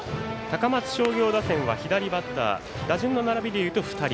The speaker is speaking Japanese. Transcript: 高松商業打線は左バッター打順の並びでいうと２人。